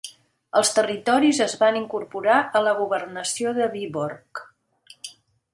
Els territoris es van incorporar a la governació de Vyborg.